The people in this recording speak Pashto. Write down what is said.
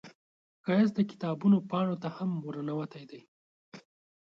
ښایست د کتابونو پاڼو ته هم ورننوتی دی